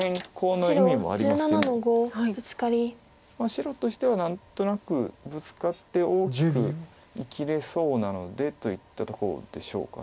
白としては何となくブツカって大きく生きれそうなのでといったところでしょうか。